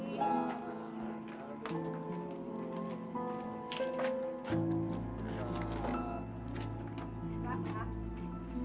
mas baskoro ada dimana